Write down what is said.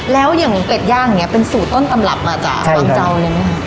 แล้วอย่างเป็ดย่างอย่างนี้เป็นสูตรต้นตำรับมาจากวังเจ้าเลยไหมคะ